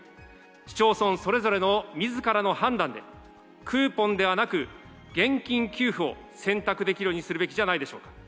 市町村それぞれのみずからの判断で、クーポンではなく、現金給付を選択できるようにするべきではないでしょうか。